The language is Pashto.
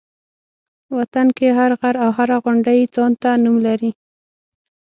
وطن کې هر غر او هره غونډۍ ځان ته نوم لري.